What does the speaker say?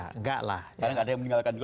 karena enggak ada yang meninggalkan juga